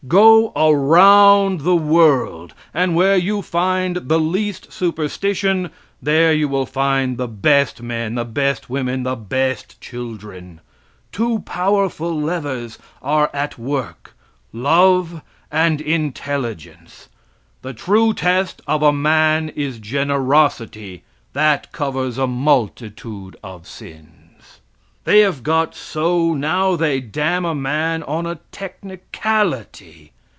Go around the world, and where you find the least superstition, there you will find the best men, the best women, the best children. Two powerful levers are at work; love and intelligence. The true test of a man is generosity, that covers a multitude of sins. They have got so now they damn a man on a technicality.